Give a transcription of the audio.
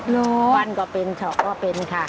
ฟันก็เป็นฉอกก็เป็นค่ะ